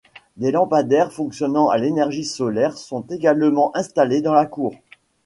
Des lampadaires fonctionnant à l'énergie solaire sont également installés dans la cour.